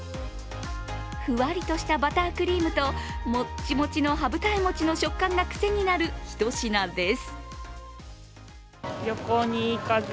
ふわりとしたバタークリームともっちもちの羽二重餅の食感が癖になるひと品です。